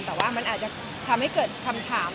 แต่ว่ามันอาจจะทำให้เกิดคำถาม